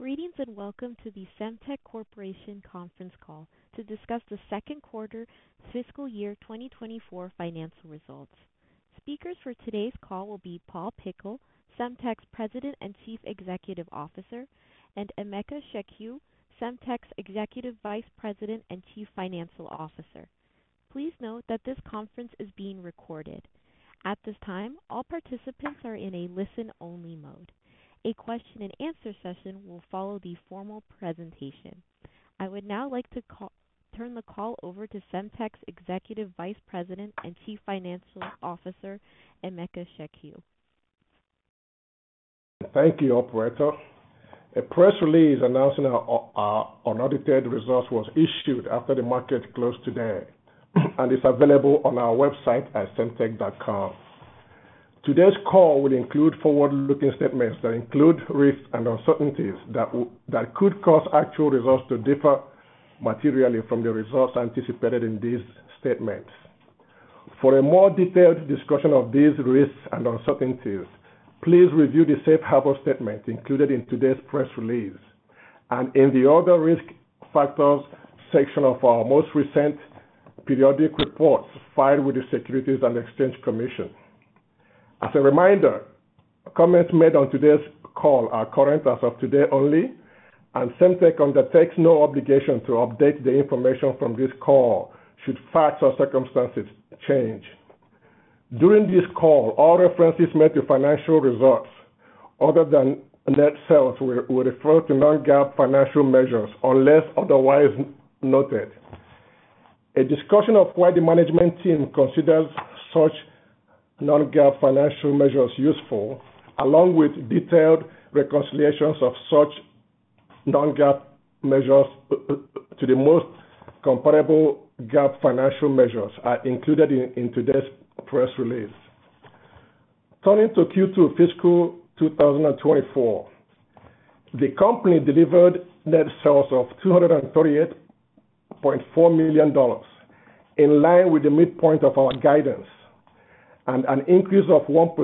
Greetings, and welcome to the Semtech Corporation conference call to discuss the second quarter fiscal year 2024 financial results. Speakers for today's call will be Paul Pickle, Semtech's President and Chief Executive Officer, and Emeka Chukwu, Semtech's Executive Vice President and Chief Financial Officer. Please note that this conference is being recorded. At this time, all participants are in a listen-only mode. A question-and-answer session will follow the formal presentation. I would now like to turn the call over to Semtech's Executive Vice President and Chief Financial Officer, Emeka Chukwu. Thank you, operator. A press release announcing our unaudited results was issued after the market closed today, and is available on our website at semtech.com. Today's call will include forward-looking statements that include risks and uncertainties that could cause actual results to differ materially from the results anticipated in these statements. For a more detailed discussion of these risks and uncertainties, please review the safe harbor statement included in today's press release and in the Other Risk Factors section of our most recent periodic reports filed with the Securities and Exchange Commission. As a reminder, comments made on today's call are current as of today only, and Semtech undertakes no obligation to update the information from this call should facts or circumstances change. During this call, all references made to financial results other than net sales will refer to non-GAAP financial measures unless otherwise noted. A discussion of why the management team considers such non-GAAP financial measures useful, along with detailed reconciliations of such non-GAAP measures to the most comparable GAAP financial measures, are included in today's press release. Turning to Q2 fiscal 2024. The company delivered net sales of $238.4 million, in line with the midpoint of our guidance and an increase of 1%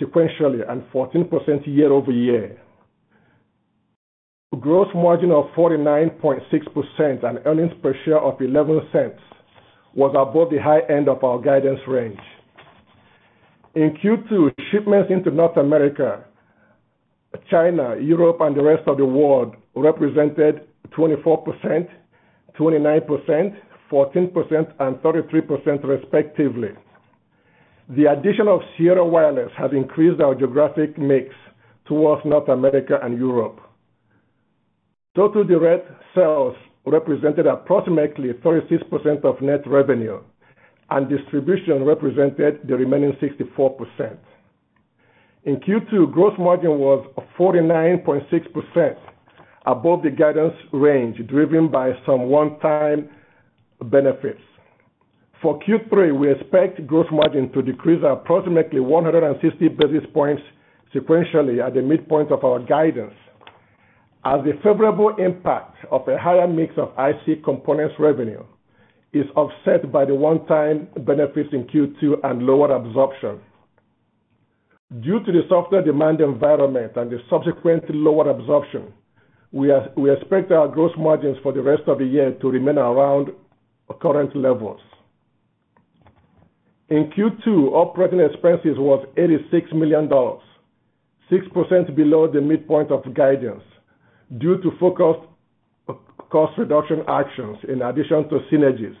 sequentially and 14% year-over-year. Gross margin of 49.6% and earnings per share of $0.11 was above the high end of our guidance range. In Q2, shipments into North America, China, Europe, and the rest of the world represented 24%, 29%, 14%, and 33% respectively. The addition of Sierra Wireless has increased our geographic mix towards North America and Europe. Total direct sales represented approximately 36% of net revenue, and distribution represented the remaining 64%. In Q2, gross margin was 49.6%, above the guidance range, driven by some one-time benefits. For Q3, we expect gross margin to decrease approximately 160 basis points sequentially at the midpoint of our guidance, as the favorable impact of a higher mix of IC components revenue is offset by the one-time benefits in Q2 and lower absorption. Due to the softer demand environment and the subsequent lower absorption, we expect our gross margins for the rest of the year to remain around current levels. In Q2, operating expenses was $86 million, 6% below the midpoint of guidance, due to focused cost reduction actions in addition to synergies.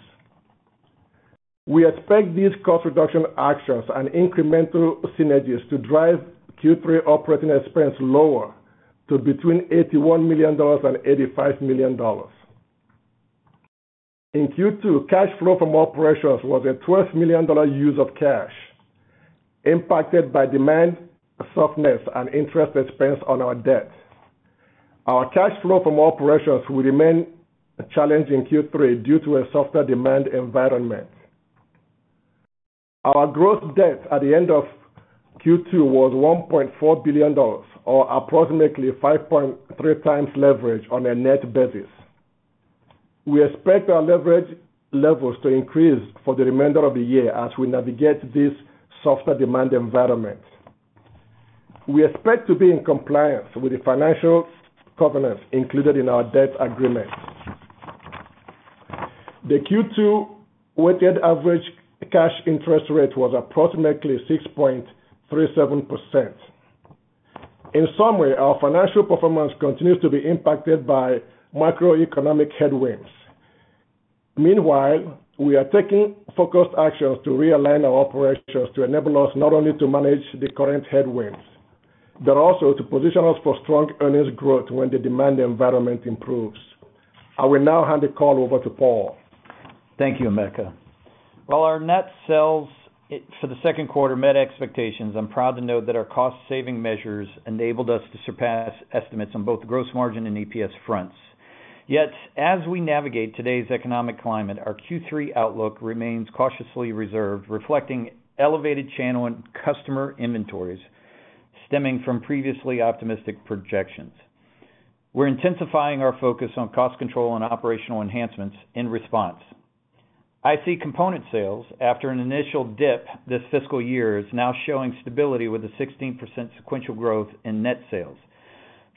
We expect these cost reduction actions and incremental synergies to drive Q3 operating expense lower to between $81 million and $85 million. In Q2, cash flow from operations was a $12 million use of cash, impacted by demand softness and interest expense on our debt. Our cash flow from operations will remain a challenge in Q3 due to a softer demand environment. Our gross debt at the end of Q2 was $1.4 billion, or approximately 5.3x leverage on a net basis. We expect our leverage levels to increase for the remainder of the year as we navigate this softer demand environment. We expect to be in compliance with the financial covenants included in our debt agreement. The Q2 weighted average cash interest rate was approximately 6.37%. In summary, our financial performance continues to be impacted by macroeconomic headwinds. Meanwhile, we are taking focused actions to realign our operations to enable us not only to manage the current headwinds, but also to position us for strong earnings growth when the demand environment improves. I will now hand the call over to Paul. Thank you, Emeka. While our net sales for the second quarter met expectations, I'm proud to note that our cost-saving measures enabled us to surpass estimates on both gross margin and EPS fronts. Yet, as we navigate today's economic climate, our Q3 outlook remains cautiously reserved, reflecting elevated channel and customer inventories stemming from previously optimistic projections. We're intensifying our focus on cost control and operational enhancements in response. IC component sales, after an initial dip this fiscal year, is now showing stability with a 16% sequential growth in net sales.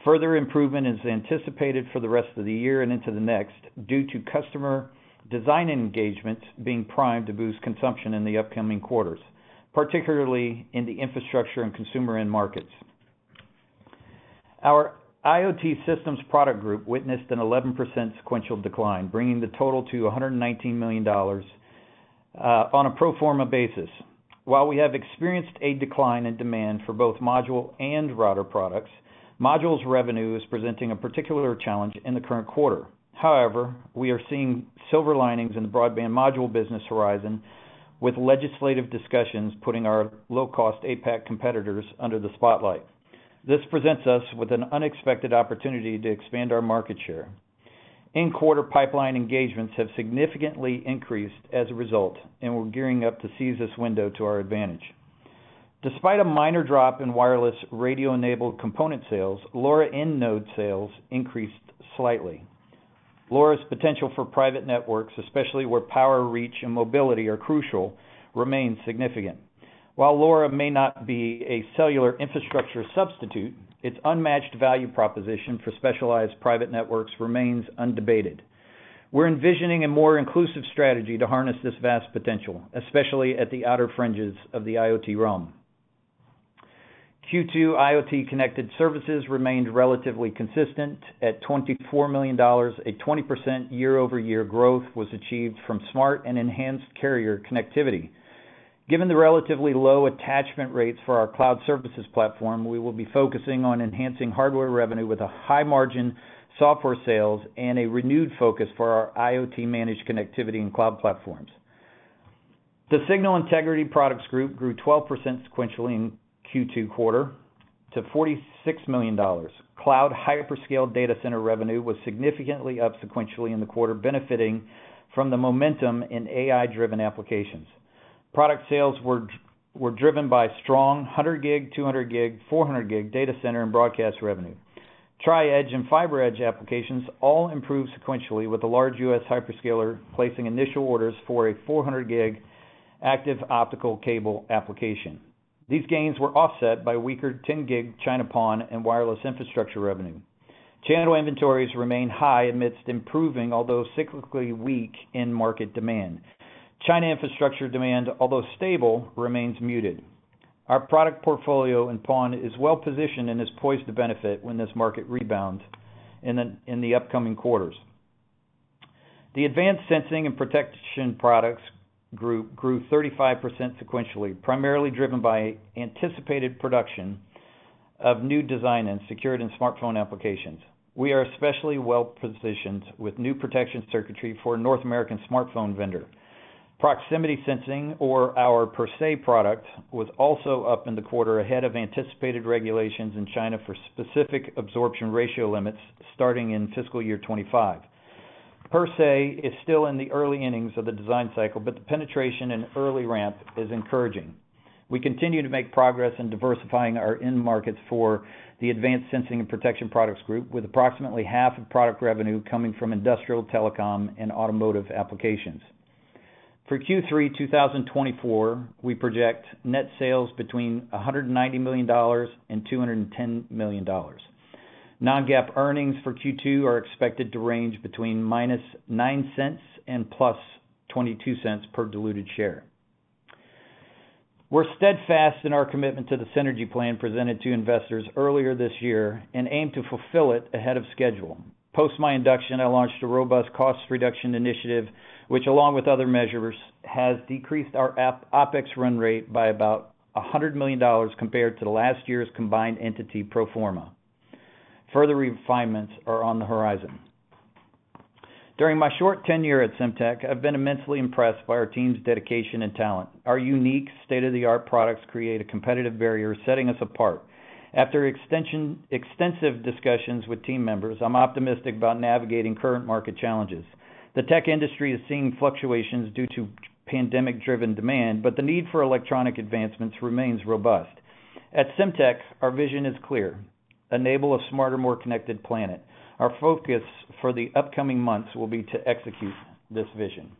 Further improvement is anticipated for the rest of the year and into the next, due to customer design engagements being primed to boost consumption in the upcoming quarters, particularly in the infrastructure and consumer end markets. Our IoT systems product group witnessed an 11% sequential decline, bringing the total to $119 million on a pro forma basis. While we have experienced a decline in demand for both module and router products, modules revenue is presenting a particular challenge in the current quarter. However, we are seeing silver linings in the broadband module business horizon, with legislative discussions putting our low-cost APAC competitors under the spotlight. This presents us with an unexpected opportunity to expand our market share. In-quarter pipeline engagements have significantly increased as a result, and we're gearing up to seize this window to our advantage. Despite a minor drop in wireless radio-enabled component sales, LoRa end-node sales increased slightly. LoRa's potential for private networks, especially where power, reach, and mobility are crucial, remains significant. While LoRa may not be a cellular infrastructure substitute, its unmatched value proposition for specialized private networks remains undebated. We're envisioning a more inclusive strategy to harness this vast potential, especially at the outer fringes of the IoT realm. Q2 IoT-connected services remained relatively consistent. At $24 million, a 20% year-over-year growth was achieved from smart and enhanced carrier connectivity. Given the relatively low attachment rates for our cloud services platform, we will be focusing on enhancing hardware revenue with a high-margin software sales and a renewed focus for our IoT-managed connectivity and cloud platforms. The signal integrity products group grew 12% sequentially in Q2 quarter to $46 million. Cloud hyperscale data center revenue was significantly up sequentially in the quarter, benefiting from the momentum in AI-driven applications. Product sales were driven by strong 100 gig, 200 gig, 400 gig data center and broadcast revenue. Tri-Edge and FiberEdge applications all improved sequentially, with a large U.S. hyperscaler placing initial orders for a 400 gig active optical cable application. These gains were offset by weaker 10 gig China PON and wireless infrastructure revenue. Channel inventories remain high amidst improving, although cyclically weak, end market demand. China infrastructure demand, although stable, remains muted. Our product portfolio in PON is well positioned and is poised to benefit when this market rebounds in the upcoming quarters. The Advanced Sensing and Protection Products group grew 35% sequentially, primarily driven by anticipated production of new design and secured in smartphone applications. We are especially well positioned with new protection circuitry for a North American smartphone vendor. Proximity sensing, or our PerSe product, was also up in the quarter ahead of anticipated regulations in China for specific absorption ratio limits starting in fiscal year 2025. PerSe is still in the early innings of the design cycle, but the penetration and early ramp is encouraging. We continue to make progress in diversifying our end markets for the Advanced Sensing and Protection Products group, with approximately half of product revenue coming from industrial, telecom, and automotive applications. For Q3, 2024, we project net sales between $190 million and $210 million. Non-GAAP earnings for Q2 are expected to range between -$0.09 and +$0.22 per diluted share. We're steadfast in our commitment to the synergy plan presented to investors earlier this year and aim to fulfill it ahead of schedule. Post my induction, I launched a robust cost reduction initiative, which, along with other measures, has decreased our OpEx run rate by about $100 million compared to last year's combined entity pro forma. Further refinements are on the horizon. During my short tenure at Semtech, I've been immensely impressed by our team's dedication and talent. Our unique state-of-the-art products create a competitive barrier, setting us apart. After extensive discussions with team members, I'm optimistic about navigating current market challenges. The tech industry is seeing fluctuations due to pandemic-driven demand, but the need for electronic advancements remains robust. At Semtech, our vision is clear: enable a smarter, more connected planet. Our focus for the upcoming months will be to execute this vision.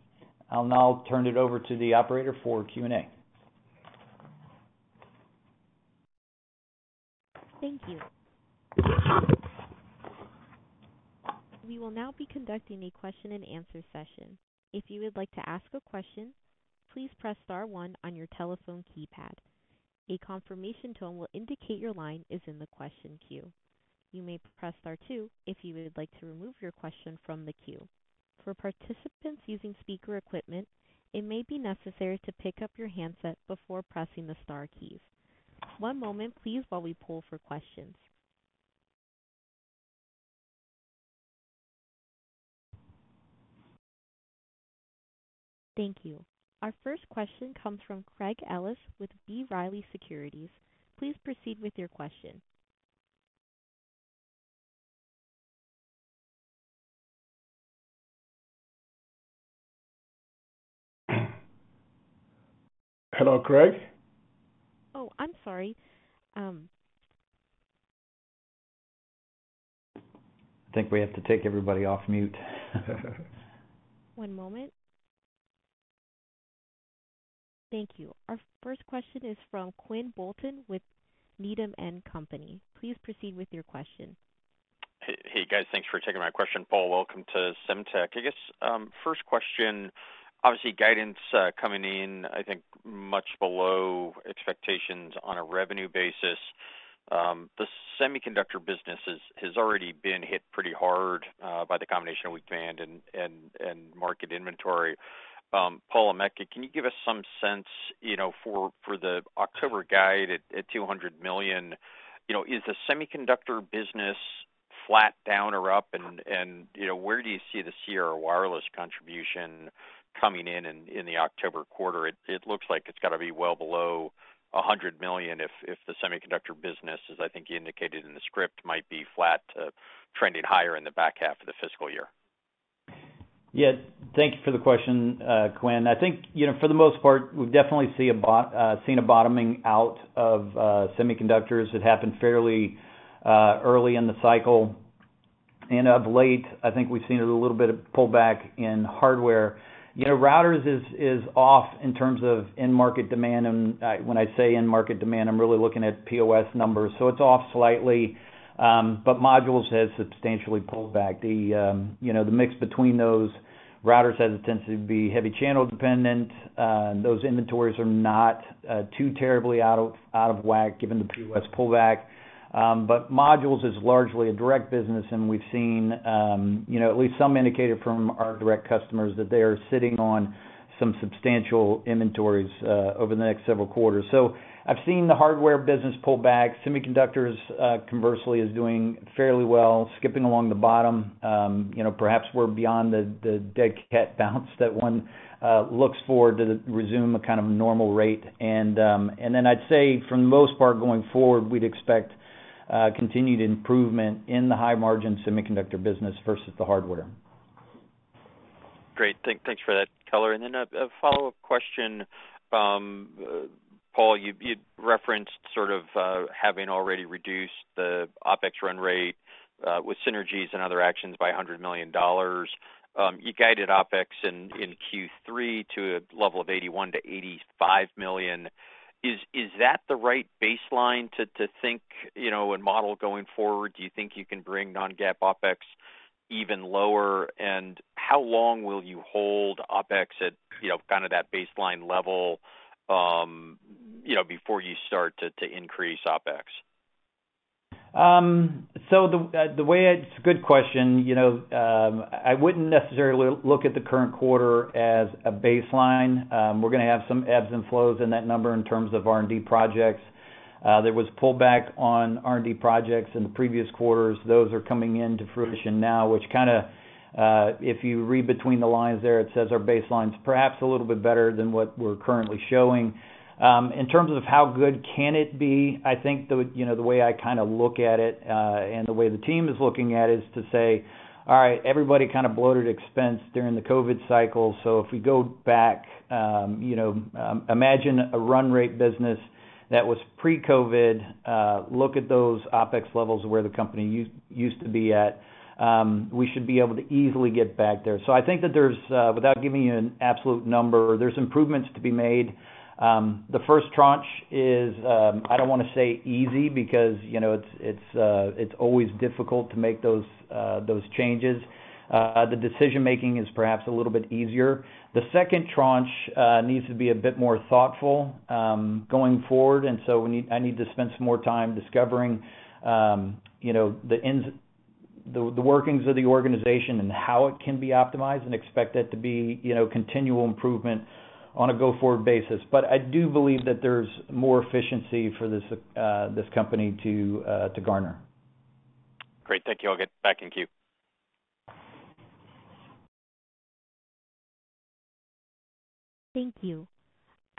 I'll now turn it over to the operator for Q&A. Thank you. We will now be conducting a question-and-answer session. If you would like to ask a question, please press star one on your telephone keypad. A confirmation tone will indicate your line is in the question queue. You may press star two if you would like to remove your question from the queue. For participants using speaker equipment, it may be necessary to pick up your handset before pressing the star keys. One moment, please, while we poll for questions. Thank you. Our first question comes from Craig Ellis with B. Riley Securities. Please proceed with your question. Hello, Craig? Oh, I'm sorry.... I think we have to take everybody off mute. One moment. Thank you. Our first question is from Quinn Bolton with Needham and Company. Please proceed with your question. Hey, hey, guys, thanks for taking my question. Paul, welcome to Semtech. I guess, first question, obviously, guidance coming in, I think, much below expectations on a revenue basis. The semiconductor business is, has already been hit pretty hard by the combination of weak demand and market inventory. Paul Pickle, can you give us some sense, you know, for the October guide at $200 million, you know, is the semiconductor business flat down or up? And, you know, where do you see the Sierra Wireless contribution coming in in the October quarter? It looks like it's got to be well below $100 million, if the semiconductor business, as I think you indicated in the script, might be flat to trending higher in the back half of the fiscal year. Yeah. Thank you for the question, Quinn. I think, you know, for the most part, we've definitely seen a bottoming out of semiconductors. It happened fairly early in the cycle. And of late, I think we've seen a little bit of pullback in hardware. You know, routers is off in terms of end market demand, and when I say end market demand, I'm really looking at POS numbers, so it's off slightly. But modules has substantially pulled back. You know, the mix between those routers has a tendency to be heavy channel dependent. Those inventories are not too terribly out of whack, given the POS pullback. But modules is largely a direct business, and we've seen, you know, at least some indicator from our direct customers, that they are sitting on some substantial inventories over the next several quarters. So I've seen the hardware business pull back. Semiconductors, conversely, is doing fairly well, skipping along the bottom. You know, perhaps we're beyond the dead cat bounce that one looks forward to the resume a kind of normal rate. And then I'd say, for the most part, going forward, we'd expect continued improvement in the high-margin semiconductor business versus the hardware. Great. Thanks for that color. And then a follow-up question. Paul, you referenced sort of having already reduced the OpEx run rate with synergies and other actions by $100 million. You guided OpEx in Q3 to a level of $81 million-$85 million. Is that the right baseline to think, you know, and model going forward? Do you think you can bring non-GAAP OpEx even lower? And how long will you hold OpEx at, you know, kind of that baseline level, you know, before you start to increase OpEx? It's a good question. You know, I wouldn't necessarily look at the current quarter as a baseline. We're gonna have some ebbs and flows in that number in terms of R&D projects. There was pullback on R&D projects in the previous quarters. Those are coming into fruition now, which kind of, if you read between the lines there, it says our baseline's perhaps a little bit better than what we're currently showing. In terms of how good can it be, I think the, you know, the way I kind of look at it, and the way the team is looking at it, is to say: All right, everybody kind of bloated expense during the COVID cycle, so if we go back, you know, imagine a run rate business that was pre-COVID, look at those OpEx levels of where the company used to be at. We should be able to easily get back there. So I think that there's, without giving you an absolute number, there's improvements to be made. The first tranche is, I don't want to say easy, because, you know, it's, it's, it's always difficult to make those, those changes. The decision-making is perhaps a little bit easier. The second tranche needs to be a bit more thoughtful going forward, and so we need. I need to spend some more time discovering, you know, the workings of the organization and how it can be optimized, and expect it to be, you know, continual improvement on a go-forward basis. But I do believe that there's more efficiency for this company to garner. Great. Thank you. I'll get back in queue. Thank you.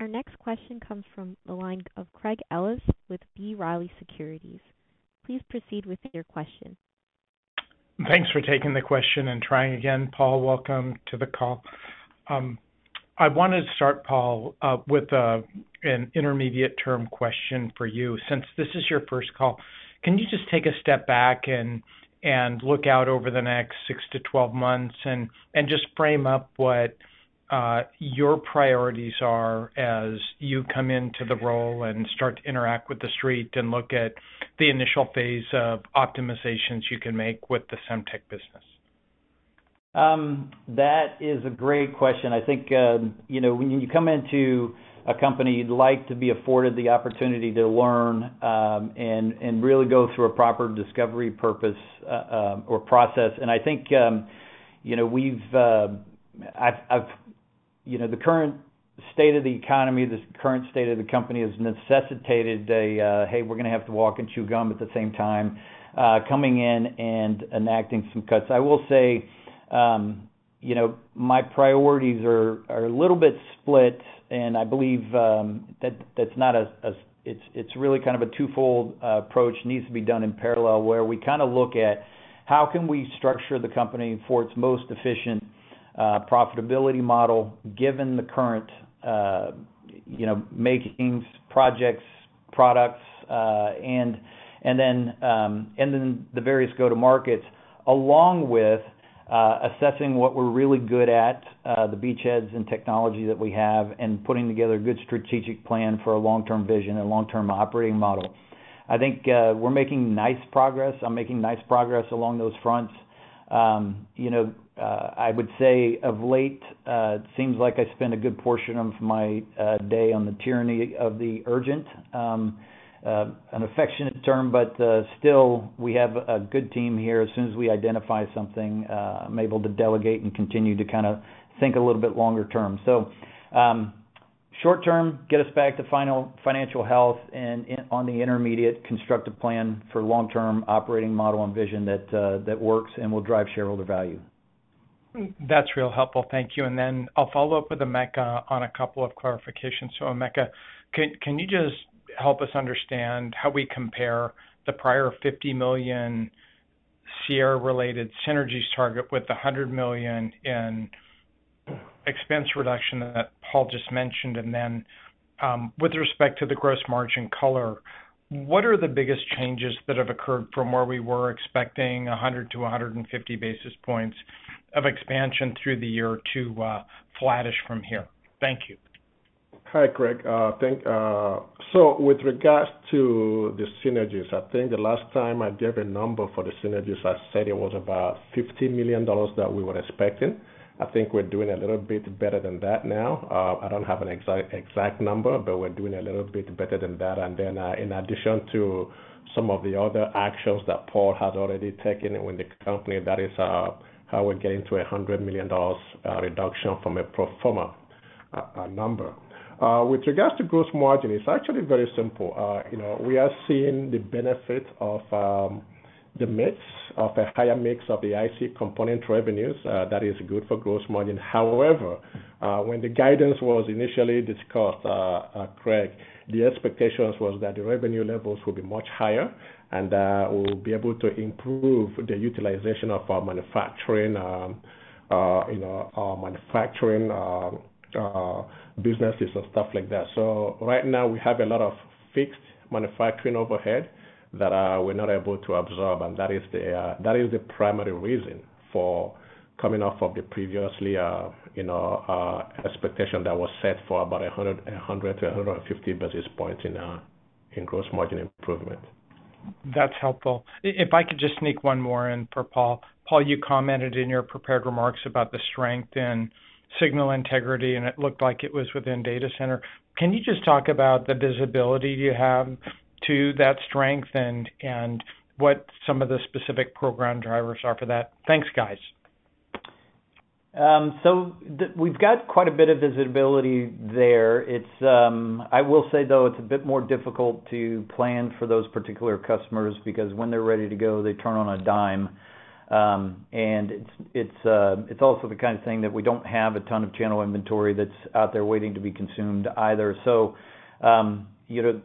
Our next question comes from the line of Craig Ellis with B. Riley Securities. Please proceed with your question. Thanks for taking the question and trying again, Paul. Welcome to the call. I wanted to start, Paul, with an intermediate-term question for you. Since this is your first call, can you just take a step back and look out over the next 6-12 months and just frame up what your priorities are as you come into the role and start to interact with the street, and look at the initial phase of optimizations you can make with the Semtech business? That is a great question. I think, you know, when you come into a company, you'd like to be afforded the opportunity to learn, and really go through a proper discovery, purpose, or process. I think, you know, we've, I've, I've-- You know, the current state of the economy, the current state of the company, has necessitated a, hey, we're gonna have to walk and chew gum at the same time, coming in and enacting some cuts. I will say, you know, my priorities are a little bit split, and I believe, that that's not a, it's really kind of a twofold approach, needs to be done in parallel, where we kind of look at how can we structure the company for its most efficient profitability model, given the current... You know, makings, projects, products, and, and then, and then the various go-to-markets, along with, assessing what we're really good at, the beachheads and technology that we have, and putting together a good strategic plan for a long-term vision and long-term operating model. I think, we're making nice progress. I'm making nice progress along those fronts. You know, I would say, of late, it seems like I spend a good portion of my day on the tyranny of the urgent. An affectionate term, but still, we have a good team here. As soon as we identify something, I'm able to delegate and continue to kinda think a little bit longer term. So, short term, get us back to financial health, and on the intermediate, constructive plan for long-term operating model and vision that works and will drive shareholder value. That's real helpful. Thank you. Then I'll follow up with Emeka on a couple of clarifications. So Emeka, can you just help us understand how we compare the prior $50 million Sierra-related synergies target with the $100 million in expense reduction that Paul just mentioned? And then, with respect to the gross margin color, what are the biggest changes that have occurred from where we were expecting 100-150 basis points of expansion through the year to, flattish from here? Thank you. Hi, Craig. So with regards to the synergies, I think the last time I gave a number for the synergies, I said it was about $50 million that we were expecting. I think we're doing a little bit better than that now. I don't have an exact number, but we're doing a little bit better than that. And then, in addition to some of the other actions that Paul has already taken with the company, that is how we're getting to a $100 million reduction from a pro forma number. With regards to gross margin, it's actually very simple. You know, we are seeing the benefit of the mix of a higher mix of the IC component revenues. That is good for gross margin. However, when the guidance was initially discussed, Craig, the expectations was that the revenue levels would be much higher and, we'll be able to improve the utilization of our manufacturing, you know, our manufacturing, businesses and stuff like that. So right now, we have a lot of fixed manufacturing overhead that, we're not able to absorb, and that is the, that is the primary reason for coming off of the previously, you know, expectation that was set for about 100, 100-150 basis points in, in gross margin improvement. That's helpful. If I could just sneak one more in for Paul. Paul, you commented in your prepared remarks about the strength in signal integrity, and it looked like it was within data center. Can you just talk about the visibility you have to that strength and what some of the specific program drivers are for that? Thanks, guys. So we've got quite a bit of visibility there. It's, I will say, though, it's a bit more difficult to plan for those particular customers because when they're ready to go, they turn on a dime. And it's also the kind of thing that we don't have a ton of channel inventory that's out there waiting to be consumed either. So, you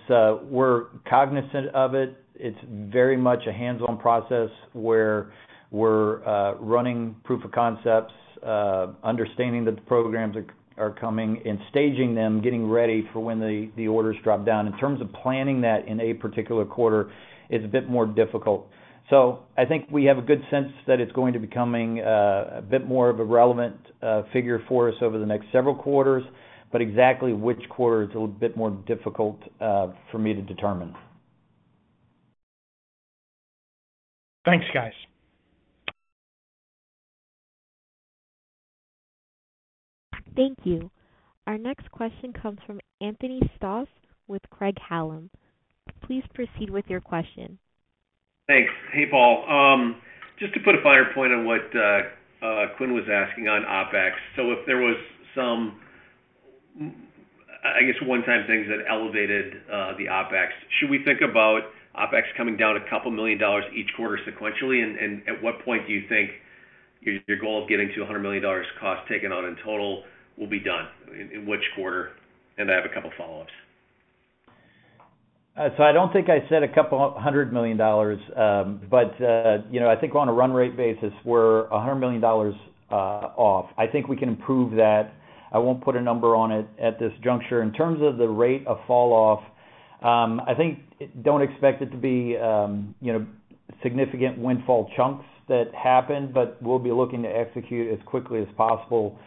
know, we're cognizant of it. It's very much a hands-on process, where we're running proof of concepts, understanding that the programs are coming and staging them, getting ready for when the orders drop down. In terms of planning that in a particular quarter, it's a bit more difficult. I think we have a good sense that it's going to becoming a bit more of a relevant figure for us over the next several quarters, but exactly which quarter is a little bit more difficult for me to determine. Thanks, guys. Thank you. Our next question comes from Anthony Stoss with Craig-Hallum. Please proceed with your question. Thanks. Hey, Paul. Just to put a finer point on what Quinn was asking on OpEx. So if there was some one-time things that elevated the OpEx, should we think about OpEx coming down a couple million dollars each quarter sequentially? And at what point do you think your goal of getting to $100 million cost taken out in total will be done, in which quarter? And I have a couple follow-ups. So I don't think I said $200 million, but, you know, I think on a run rate basis, we're $100 million off. I think we can improve that. I won't put a number on it at this juncture. In terms of the rate of falloff, I think, don't expect it to be, you know, significant windfall chunks that happen, but we'll be looking to execute as quickly as possible.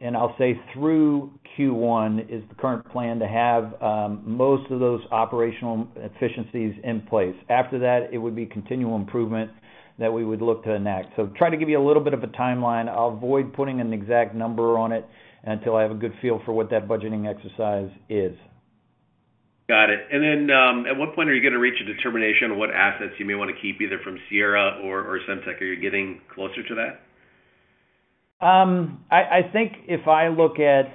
And I'll say through Q1 is the current plan to have most of those operational efficiencies in place. After that, it would be continual improvement that we would look to enact. So try to give you a little bit of a timeline. I'll avoid putting an exact number on it until I have a good feel for what that budgeting exercise is. Got it. Then, at what point are you gonna reach a determination on what assets you may wanna keep, either from Sierra or Semtech? Are you getting closer to that? ... I think if I look at,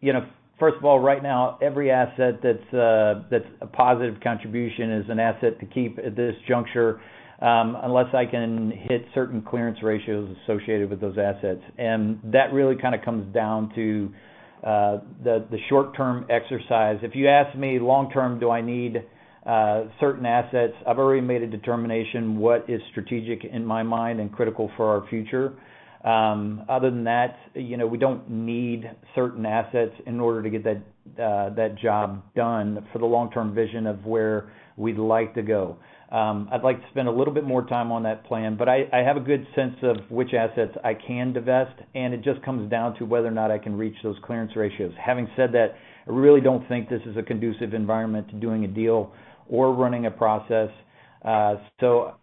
you know, first of all, right now, every asset that's a positive contribution is an asset to keep at this juncture, unless I can hit certain clearance ratios associated with those assets. And that really kind of comes down to the short-term exercise. If you ask me, long term, do I need certain assets? I've already made a determination what is strategic in my mind and critical for our future. Other than that, you know, we don't need certain assets in order to get that job done for the long-term vision of where we'd like to go. I'd like to spend a little bit more time on that plan, but I have a good sense of which assets I can divest, and it just comes down to whether or not I can reach those clearance ratios. Having said that, I really don't think this is a conducive environment to doing a deal or running a process. So,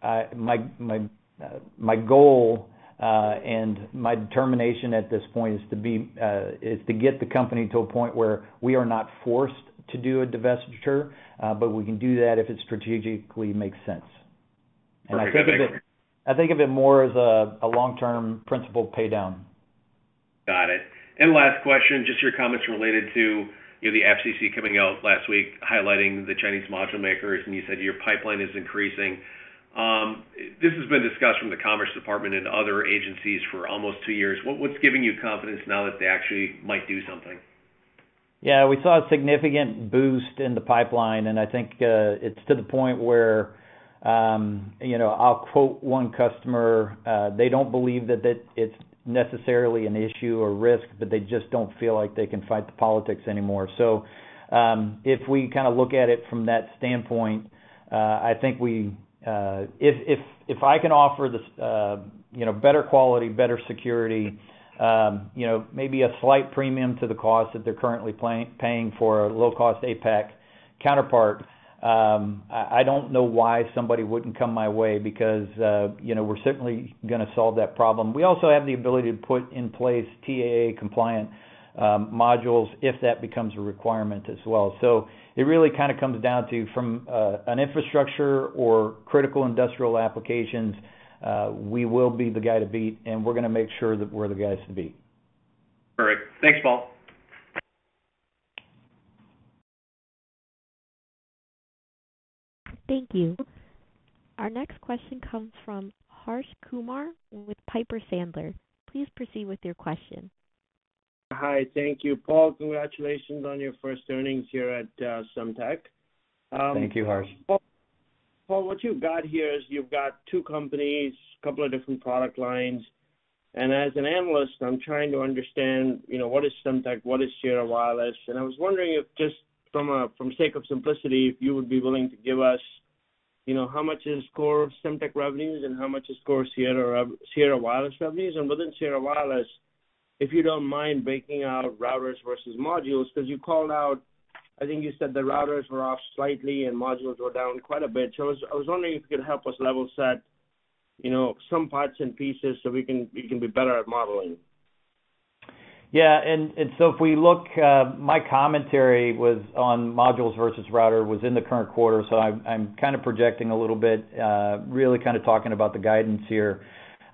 my goal and my determination at this point is to be—is to get the company to a point where we are not forced to do a divestiture, but we can do that if it strategically makes sense. Perfect, thank you. I think of it more as a long-term principal pay down. Got it. And last question, just your comments related to, you know, the FCC coming out last week, highlighting the Chinese module makers, and you said your pipeline is increasing. This has been discussed from the Commerce Department and other agencies for almost two years. What’s giving you confidence now that they actually might do something? Yeah, we saw a significant boost in the pipeline, and I think, it's to the point where, you know, I'll quote one customer, they don't believe that it's necessarily an issue or risk, but they just don't feel like they can fight the politics anymore. So, if we kind of look at it from that standpoint, I think we... If I can offer this, you know, better quality, better security, you know, maybe a slight premium to the cost that they're currently paying for a low-cost APAC counterpart, I don't know why somebody wouldn't come my way because, you know, we're certainly gonna solve that problem. We also have the ability to put in place TAA-compliant modules if that becomes a requirement as well. So it really kind of comes down to, from, an infrastructure or critical industrial applications, we will be the guy to beat, and we're gonna make sure that we're the guys to beat. All right. Thanks, Paul. Thank you. Our next question comes from Harsh Kumar with Piper Sandler. Please proceed with your question. Hi. Thank you. Paul, congratulations on your first earnings here at Semtech. Thank you, Harsh. Paul, what you've got here is you've got two companies, a couple of different product lines, and as an analyst, I'm trying to understand, you know, what is Semtech, what is Sierra Wireless? And I was wondering if, just from sake of simplicity, if you would be willing to give us, you know, how much is core Semtech revenues and how much is core Sierra, Sierra Wireless revenues? And within Sierra Wireless, if you don't mind breaking out routers versus modules, 'cause you called out, I think you said the routers were off slightly and modules were down quite a bit. So I was, I was wondering if you could help us level set, you know, some parts and pieces so we can, we can be better at modeling. Yeah, and so if we look, my commentary was on modules versus router, was in the current quarter, so I'm kind of projecting a little bit, really kind of talking about the guidance here.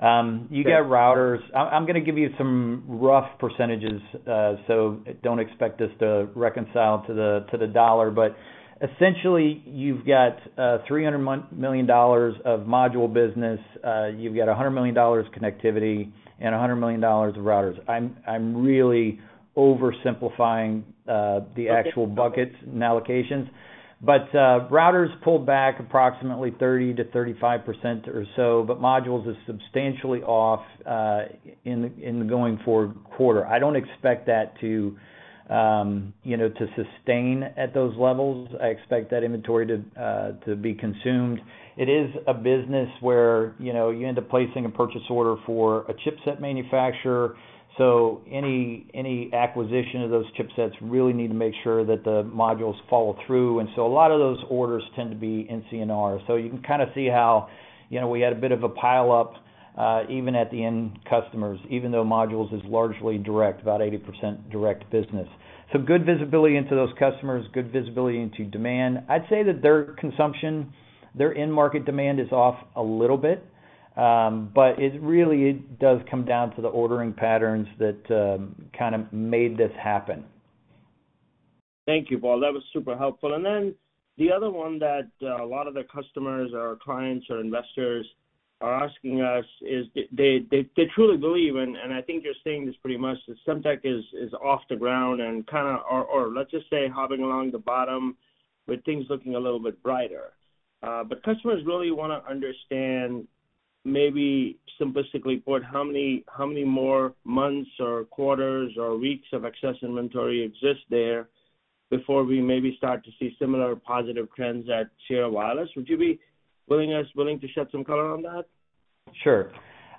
You get routers. I'm gonna give you some rough percentages, so don't expect this to reconcile to the dollar. But essentially, you've got $300 million of module business, you've got $100 million connectivity, and $100 million of routers. I'm really oversimplifying the actual buckets and allocations. But routers pulled back approximately 30%-35% or so, but modules is substantially off in the going forward quarter. I don't expect that to you know, to sustain at those levels. I expect that inventory to be consumed. It is a business where, you know, you end up placing a purchase order for a chipset manufacturer, so any, any acquisition of those chipsets really need to make sure that the modules follow through. And so a lot of those orders tend to be NCNR. So you can kind of see how, you know, we had a bit of a pile up, even at the end customers, even though modules is largely direct, about 80% direct business. So good visibility into those customers, good visibility into demand. I'd say that their consumption, their end market demand is off a little bit, but it really it does come down to the ordering patterns that, kind of made this happen. Thank you, Paul. That was super helpful. And then the other one that a lot of the customers or clients or investors are asking us is they truly believe, and I think you're saying this pretty much, that Semtech is off the ground and kind of... Or let's just say, hopping along the bottom with things looking a little bit brighter. But customers really wanna understand, maybe simplistically, Paul, how many more months or quarters or weeks of excess inventory exist there before we maybe start to see similar positive trends at Sierra Wireless? Would you be willing to shed some color on that? Sure.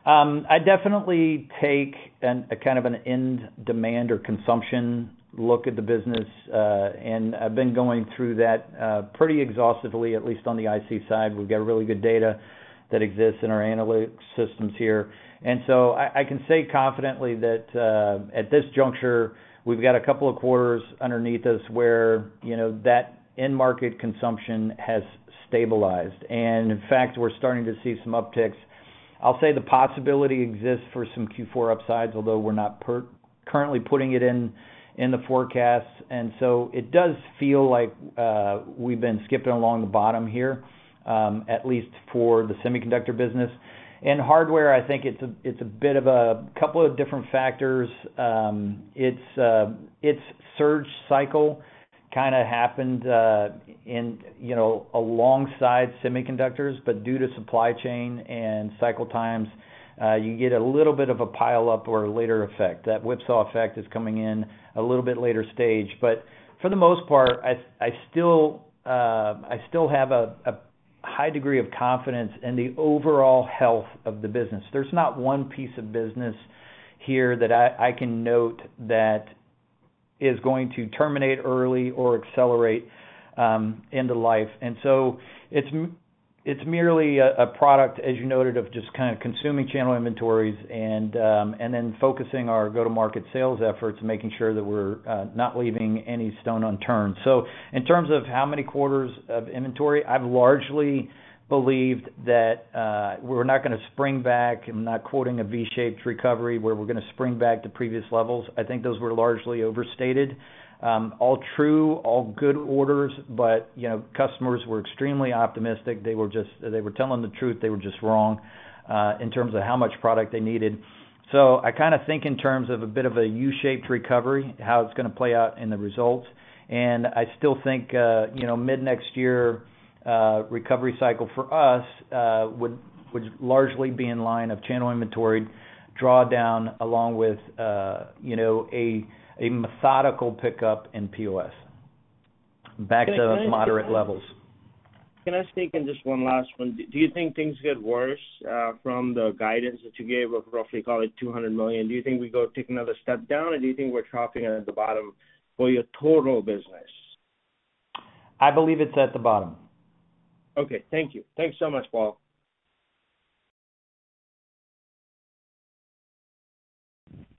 I definitely take a kind of end demand or consumption look at the business, and I've been going through that pretty exhaustively, at least on the IC side. We've got really good data that exists in our analytics systems here. And so I can say confidently that at this juncture, we've got a couple of quarters underneath us where, you know, that end market consumption has stabilized. And in fact, we're starting to see some upticks... I'll say the possibility exists for some Q4 upsides, although we're not currently putting it in the forecast. And so it does feel like we've been skipping along the bottom here, at least for the semiconductor business. In hardware, I think it's a bit of a couple of different factors. It's its surge cycle kind of happened in, you know, alongside semiconductors, but due to supply chain and cycle times, you get a little bit of a pile-up or a later effect. That whipsaw effect is coming in a little bit later stage. But for the most part, I, I still, I still have a, a high degree of confidence in the overall health of the business. There's not one piece of business here that I, I can note that is going to terminate early or accelerate into life. And so it's merely a, a product, as you noted, of just kind of consuming channel inventories and, and then focusing our go-to-market sales efforts, making sure that we're not leaving any stone unturned. So in terms of how many quarters of inventory, I've largely believed that, we're not gonna spring back. I'm not quoting a V-shaped recovery, where we're gonna spring back to previous levels. I think those were largely overstated. All true, all good orders, but, you know, customers were extremely optimistic. They were just-- they were telling the truth, they were just wrong, in terms of how much product they needed. So I kind of think in terms of a bit of a U-shaped recovery, how it's gonna play out in the results. And I still think, you know, mid-next year, recovery cycle for us, would largely be in line of channel inventory drawdown, along with, you know, a methodical pickup in POS back to moderate levels. Can I sneak in just one last one? Do you think things get worse from the guidance that you gave of roughly, call it, $200 million? Do you think we go take another step down, or do you think we're topping it at the bottom for your total business? I believe it's at the bottom. Okay. Thank you. Thanks so much, Paul.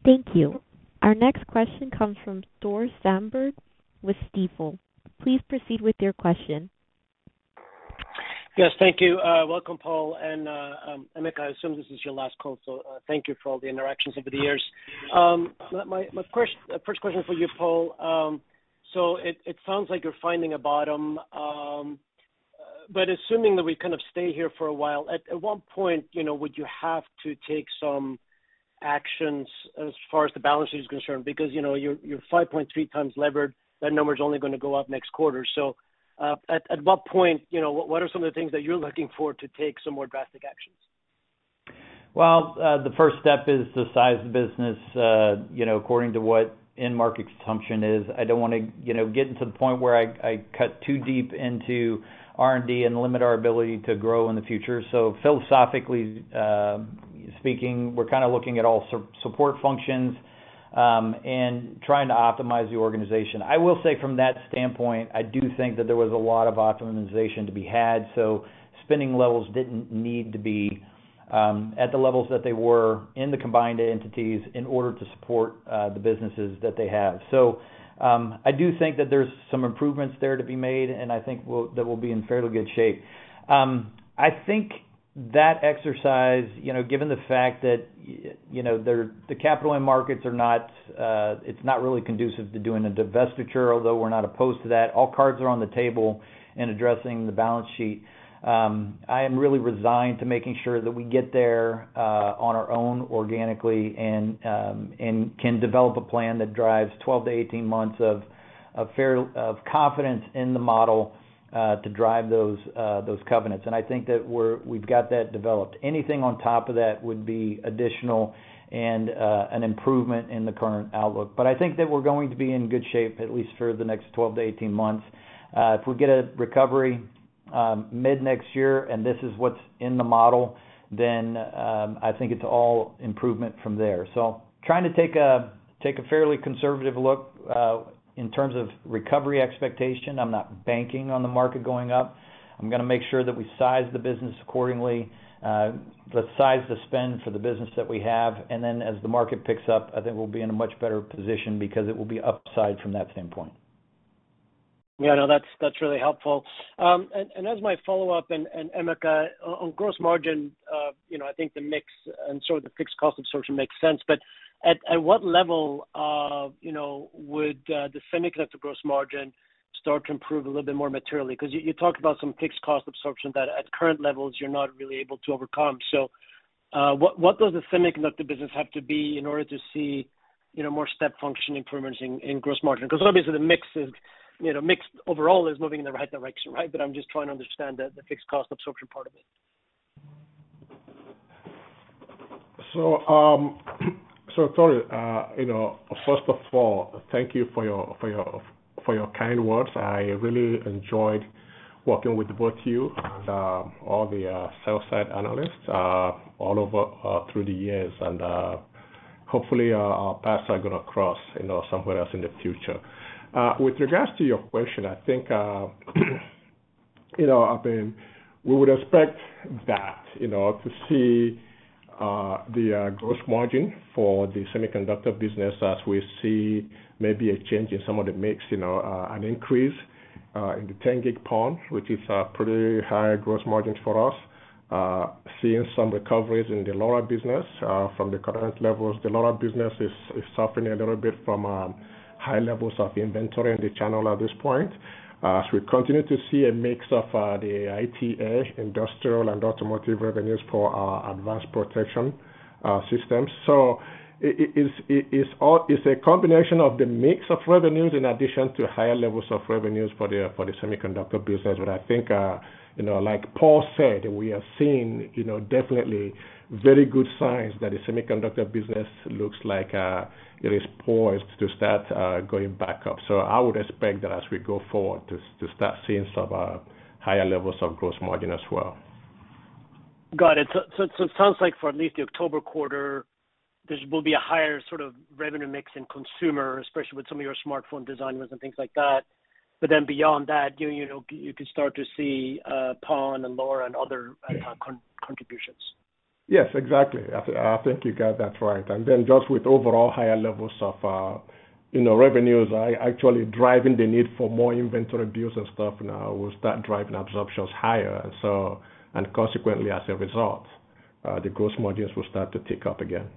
Thank you. Our next question comes from Tore Svanberg with Stifel. Please proceed with your question. Yes, thank you. Welcome, Paul, and Emeka, I assume this is your last call, so thank you for all the interactions over the years. My first question is for you, Paul. So it sounds like you're finding a bottom. But assuming that we kind of stay here for a while, at what point, you know, would you have to take some actions as far as the balance sheet is concerned? Because, you know, you're 5.3 times levered, that number is only gonna go up next quarter. So, at what point, you know, what are some of the things that you're looking for to take some more drastic actions? Well, the first step is to size the business, you know, according to what end market assumption is. I don't want to, you know, getting to the point where I cut too deep into R&D and limit our ability to grow in the future. So philosophically, speaking, we're kind of looking at all support functions, and trying to optimize the organization. I will say from that standpoint, I do think that there was a lot of optimization to be had, so spending levels didn't need to be at the levels that they were in the combined entities in order to support the businesses that they have. So, I do think that there's some improvements there to be made, and I think we'll be in fairly good shape. I think that exercise, you know, given the fact that, you know, the capital end markets are not, it's not really conducive to doing a divestiture, although we're not opposed to that. All cards are on the table in addressing the balance sheet. I am really resigned to making sure that we get there, on our own, organically, and can develop a plan that drives 12-18 months of confidence in the model, to drive those covenants. I think that we're—we've got that developed. Anything on top of that would be additional and an improvement in the current outlook. But I think that we're going to be in good shape, at least for the next 12-18 months. If we get a recovery mid-next year, and this is what's in the model, then I think it's all improvement from there. So trying to take a fairly conservative look in terms of recovery expectation. I'm not banking on the market going up. I'm gonna make sure that we size the business accordingly, but size the spend for the business that we have. And then, as the market picks up, I think we'll be in a much better position because it will be upside from that standpoint. Yeah, no, that's, that's really helpful. And as my follow-up, and Emeka, on gross margin, you know, I think the mix and sort of the fixed cost absorption makes sense, but at what level, you know, would the semiconductor gross margin start to improve a little bit more materially? Because you talked about some fixed cost absorption that at current levels, you're not really able to overcome. So, what does the semiconductor business have to be in order to see, you know, more step function improvements in gross margin? Because obviously, the mix is, you know, mix overall is moving in the right direction, right? But I'm just trying to understand the fixed cost absorption part of it. So, Thor, you know, first of all, thank you for your kind words. I really enjoyed working with both you and all the sell-side analysts all over through the years, and hopefully, our paths are gonna cross, you know, somewhere else in the future. With regards to your question, I think, you know, I mean, we would expect that, you know, to see the gross margin for the semiconductor business as we see maybe a change in some of the mix, you know, an increase in the 10 gig PON, which is a pretty high gross margin for us. Seeing some recoveries in the LoRa business from the current levels. The LoRa business is suffering a little bit from high levels of inventory in the channel at this point. So we continue to see a mix of the IoT, industrial and automotive revenues for our advanced protection systems. So it is all a combination of the mix of revenues in addition to higher levels of revenues for the semiconductor business. But I think, you know, like Paul said, we have seen, you know, definitely very good signs that the semiconductor business looks like it is poised to start going back up. So I would expect that as we go forward, to start seeing some higher levels of gross margin as well. Got it. So it sounds like for at least the October quarter, there will be a higher sort of revenue mix in consumer, especially with some of your smartphone design wins and things like that. But then beyond that, you know, you could start to see PON and LoRa and other- Yes. -con, contributions. Yes, exactly. I think you got that right. And then just with overall higher levels of, you know, revenues, actually driving the need for more inventory builds and stuff now, will start driving absorptions higher. So, and consequently, as a result, the gross margins will start to tick up again.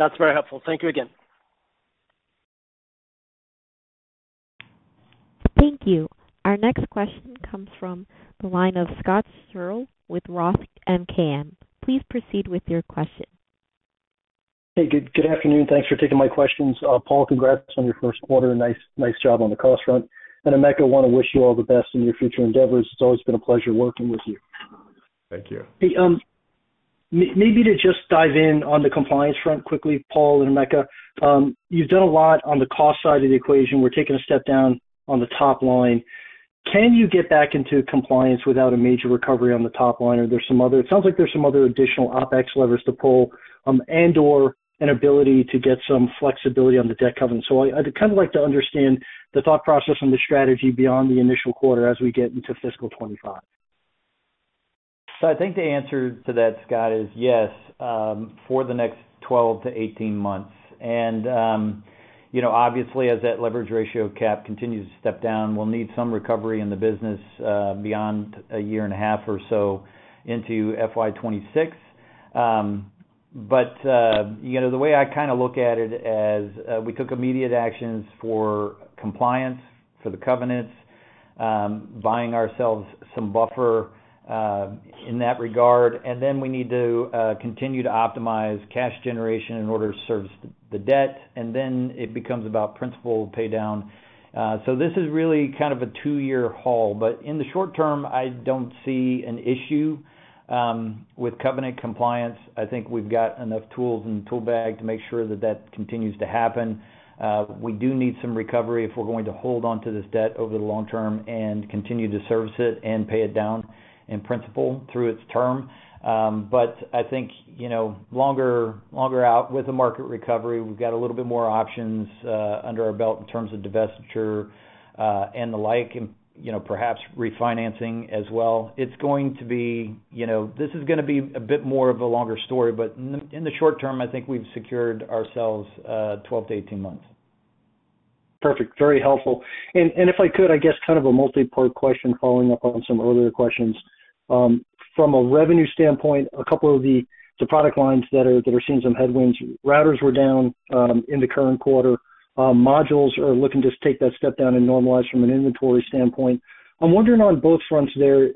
That's very helpful. Thank you again. Thank you. Our next question comes from the line of Scott Searle with Roth MKM. Please proceed with your question. Hey, good, good afternoon. Thanks for taking my questions. Paul, congrats on your first quarter. Nice, nice job on the cost front. And Emeka, I want to wish you all the best in your future endeavors. It's always been a pleasure working with you. Thank you. Hey, maybe to just dive in on the compliance front quickly, Paul and Emeka. You've done a lot on the cost side of the equation. We're taking a step down on the top line. Can you get back into compliance without a major recovery on the top line, or there's some other, it sounds like there's some other additional OpEx levers to pull, and/or an ability to get some flexibility on the debt covenant. So I'd kind of like to understand the thought process and the strategy beyond the initial quarter as we get into fiscal 2025. So I think the answer to that, Scott, is yes, for the next 12-18 months. And, you know, obviously, as that leverage ratio cap continues to step down, we'll need some recovery in the business, beyond a year and a half or so into FY 2026. But, you know, the way I kind of look at it as, we took immediate actions for compliance, for the covenants, buying ourselves some buffer, in that regard, and then we need to, continue to optimize cash generation in order to service the debt, and then it becomes about principal pay down. So this is really kind of a 2-year haul, but in the short term, I don't see an issue, with covenant compliance. I think we've got enough tools in the tool bag to make sure that that continues to happen. We do need some recovery if we're going to hold on to this debt over the long term and continue to service it and pay it down in principal through its term. But I think, you know, longer out with the market recovery, we've got a little bit more options under our belt in terms of divestiture, and the like, and, you know, perhaps refinancing as well. It's going to be, you know, this is gonna be a bit more of a longer story, but in the short term, I think we've secured ourselves 12-18 months. Perfect. Very helpful. And if I could, I guess kind of a multi-part question following up on some earlier questions. From a revenue standpoint, a couple of the product lines that are seeing some headwinds. Routers were down in the current quarter. Modules are looking to take that step down and normalize from an inventory standpoint. I'm wondering on both fronts there,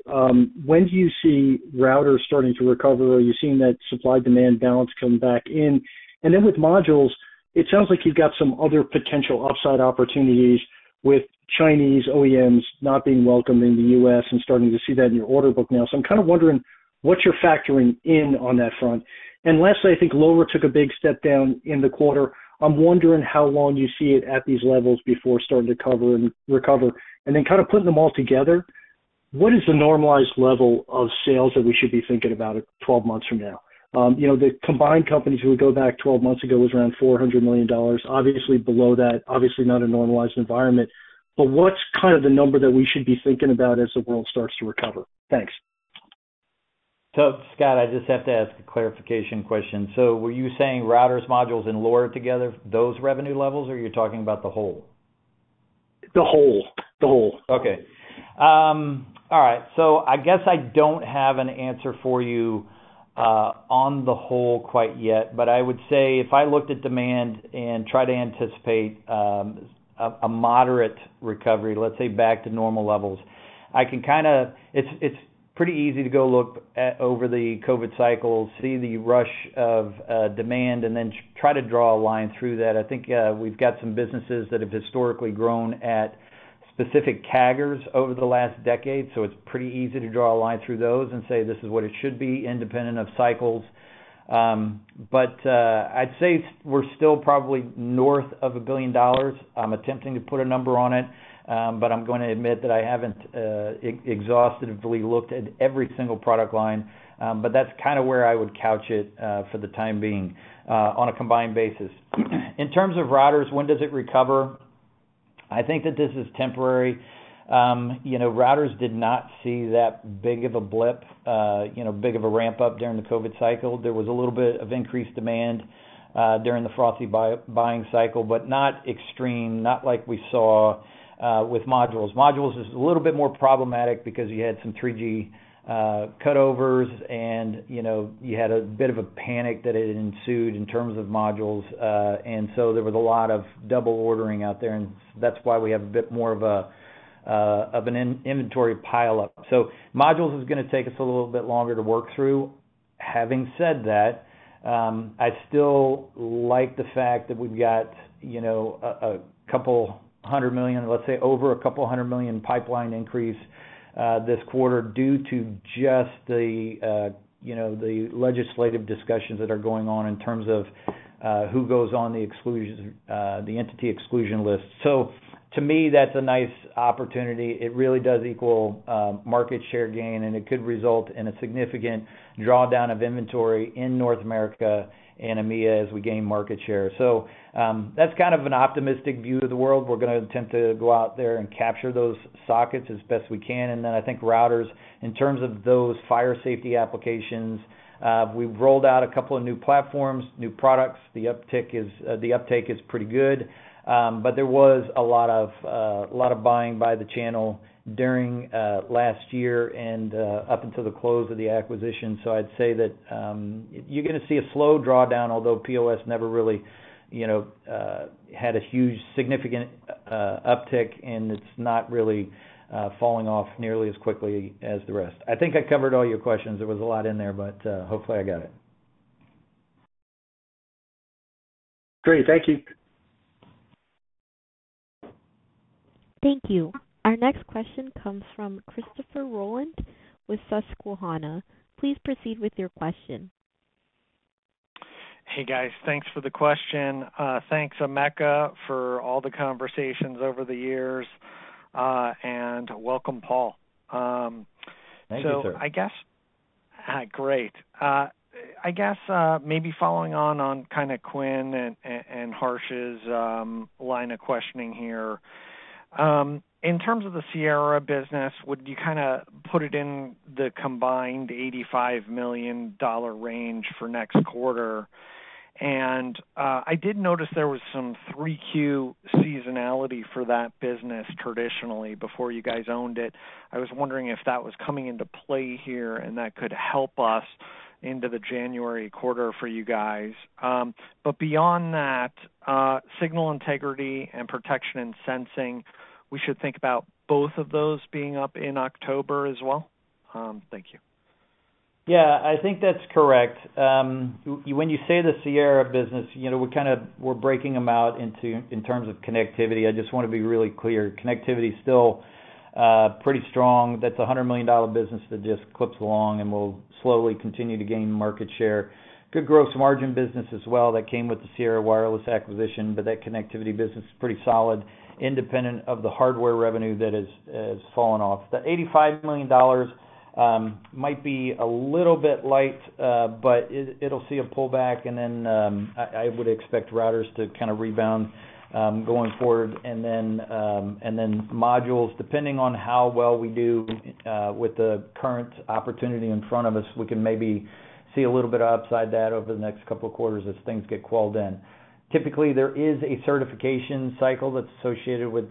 when do you see routers starting to recover? Are you seeing that supply-demand balance come back in? And then with modules, it sounds like you've got some other potential upside opportunities with Chinese OEMs not being welcomed in the U.S. and starting to see that in your order book now. So I'm kind of wondering what you're factoring in on that front. And lastly, I think LoRa took a big step down in the quarter. I'm wondering how long you see it at these levels before starting to cover and recover, and then kind of putting them all together. What is the normalized level of sales that we should be thinking about it twelve months from now? You know, the combined companies, we go back twelve months ago, was around $400 million, obviously below that, obviously not a normalized environment. But what's kind of the number that we should be thinking about as the world starts to recover? Thanks. So, Scott, I just have to ask a clarification question. So were you saying routers, modules, and LoRa together, those revenue levels, or you're talking about the whole? The whole. The whole. Okay. All right. So I guess I don't have an answer for you on the whole quite yet, but I would say if I looked at demand and try to anticipate a moderate recovery, let's say back to normal levels, I can kinda—it's pretty easy to go look at over the COVID cycle, see the rush of demand, and then try to draw a line through that. I think we've got some businesses that have historically grown at specific CAGRs over the last decade, so it's pretty easy to draw a line through those and say, this is what it should be, independent of cycles. But I'd say we're still probably north of $1 billion. I'm attempting to put a number on it, but I'm going to admit that I haven't exhaustively looked at every single product line. But that's kind of where I would couch it, for the time being, on a combined basis. In terms of routers, when does it recover? I think that this is temporary. You know, routers did not see that big of a blip, you know, big of a ramp-up during the COVID cycle. There was a little bit of increased demand during the frenzy buying cycle, but not extreme, not like we saw with modules. Modules is a little bit more problematic because you had some 3G cutovers and, you know, you had a bit of a panic that ensued in terms of modules. And so there was a lot of double ordering out there, and that's why we have a bit more of a inventory pileup. So modules is gonna take us a little bit longer to work through. Having said that, I still like the fact that we've got, you know, $200 million, let's say, over $200 million pipeline increase this quarter due to just the, you know, the legislative discussions that are going on in terms of who goes on the exclusion, the entity exclusion list. So to me, that's a nice opportunity. It really does equal market share gain, and it could result in a significant drawdown of inventory in North America and EMEA as we gain market share. So, that's kind of an optimistic view to the world. We're gonna attempt to go out there and capture those sockets as best we can. Then I think routers, in terms of those fire safety applications, we've rolled out a couple of new platforms, new products. The uptick is, the uptake is pretty good. But there was a lot of a lot of buying by the channel during last year and up until the close of the acquisition. So I'd say that you're gonna see a slow drawdown, although POS never really, you know, had a huge, significant uptick, and it's not really falling off nearly as quickly as the rest. I think I covered all your questions. There was a lot in there, but hopefully, I got it. Great. Thank you. Thank you. Our next question comes from Christopher Rolland with Susquehanna. Please proceed with your question. Hey, guys. Thanks for the question. Thanks, Emeka, for all the conversations over the years, and welcome, Paul. Thank you, sir. So I guess great. I guess, maybe following on, on kinda Quinn and, and Harsh's line of questioning here. In terms of the Sierra business, would you kinda put it in the combined $85 million range for next quarter? And, I did notice there was some 3Q seasonality for that business traditionally, before you guys owned it. I was wondering if that was coming into play here, and that could help us into the January quarter for you guys. But beyond that, signal integrity and protection and sensing, we should think about both of those being up in October as well? Thank you. Yeah, I think that's correct. When you say the Sierra business, you know, we're kinda breaking them out into, in terms of connectivity. I just wanna be really clear. Connectivity is still pretty strong. That's a $100 million business that just clips along and will slowly continue to gain market share. Good gross margin business as well that came with the Sierra Wireless acquisition, but that connectivity business is pretty solid, independent of the hardware revenue that has fallen off. The $85 million might be a little bit light, but it'll see a pullback, and then I would expect routers to kinda rebound going forward. And then, and then modules, depending on how well we do with the current opportunity in front of us, we can maybe see a little bit of upside that over the next couple of quarters as things get quelled in. Typically, there is a certification cycle that's associated with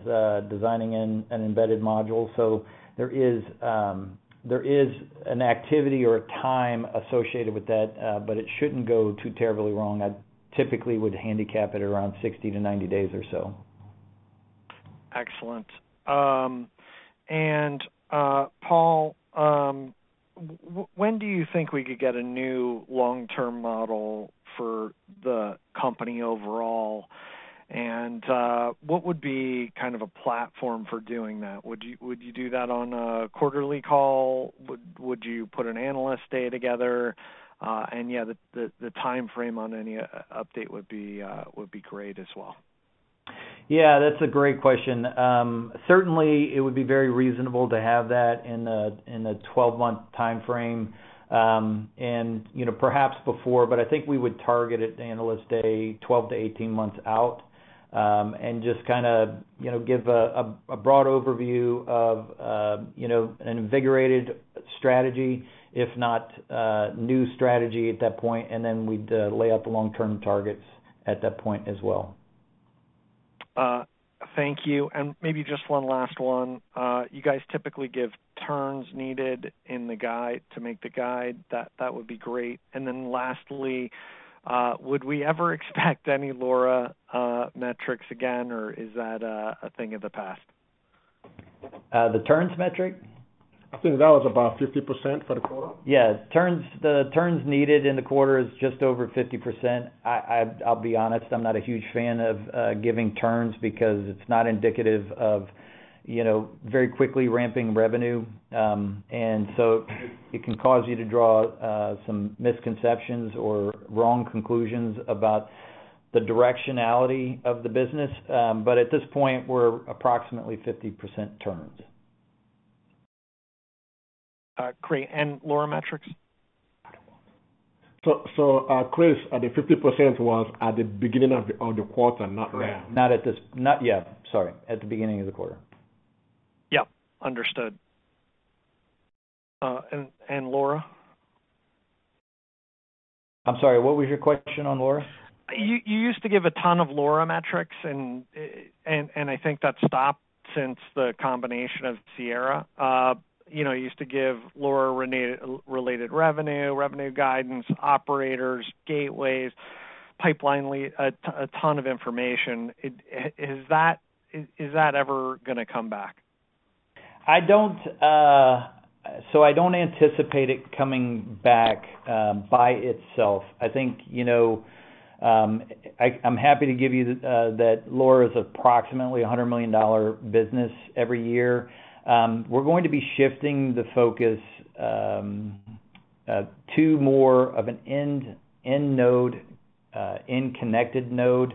designing an embedded module. So there is an activity or a time associated with that, but it shouldn't go too terribly wrong. I typically would handicap it around 60-90 days or so. Excellent. And Paul, when do you think we could get a new long-term model for the company overall? And what would be kind of a platform for doing that? Would you do that on a quarterly call? Would you put an analyst day together? And yeah, the time frame on any update would be great as well. Yeah, that's a great question. Certainly, it would be very reasonable to have that in a 12-month time frame, and, you know, perhaps before, but I think we would target it, Analyst Day, 12-18 months out, and just kinda, you know, give a broad overview of, you know, an invigorated strategy, if not, new strategy at that point, and then we'd lay out the long-term targets at that point as well. Thank you. And maybe just one last one. You guys typically give turns needed in the guide to make the guide. That, that would be great. And then lastly, would we ever expect any LoRa metrics again, or is that a thing of the past? The turns metric? I think that was about 50% for the quarter. Yeah. Turns, the turns needed in the quarter is just over 50%. I, I'll be honest, I'm not a huge fan of giving turns because it's not indicative of, you know, very quickly ramping revenue. And so it can cause you to draw some misconceptions or wrong conclusions about the directionality of the business. But at this point, we're approximately 50% turns. ... Great, and LoRa metrics? So, Chris, the 50% was at the beginning of the quarter, not now. Not yet, sorry. At the beginning of the quarter. Yep, understood. And LoRa? I'm sorry, what was your question on LoRa? You used to give a ton of LoRa metrics, and I think that stopped since the combination of Sierra. You know, you used to give LoRa-related revenue, revenue guidance, operators, gateways, pipeline, a ton of information. Is that ever gonna come back? I don't. So I don't anticipate it coming back by itself. I think, you know, I'm happy to give you that LoRa is approximately a $100 million business every year. We're going to be shifting the focus to more of an end node, end connected node,